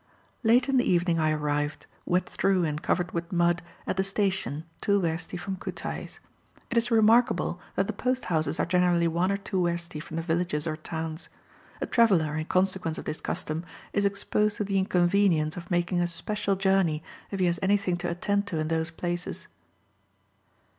Late in the evening, I arrived, wet through and covered with mud, at the station, two wersti from Kutais. It is remarkable that the post houses are generally one or two wersti from the villages or towns. A traveller, in consequence of this custom, is exposed to the inconvenience of making a special journey if he has anything to attend to in those places.